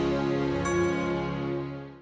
dia yang masuk ke